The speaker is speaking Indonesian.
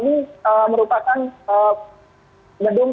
jadi berada jauh dari pemukiman warga